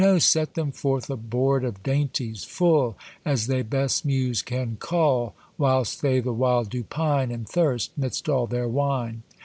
set them forth a board of dainties, full As thy best muse can cull Whilst they the while do pine And thirst, midst all their wine.